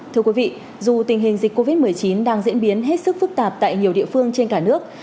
thưa quý vị dù tình hình dịch covid một mươi chín đang diễn biến hết sức phức tạp tại nhiều địa phương trên cả nước